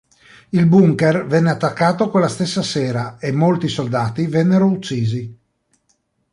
Il bunker venne attaccato quella stessa sera e molti soldati vennero uccisi.